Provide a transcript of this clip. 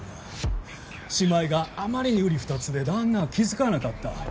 姉妹があまりにうり二つで旦那は気付かなかった。